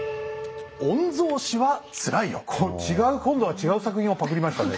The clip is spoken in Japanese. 今度は違う作品をパクりましたね。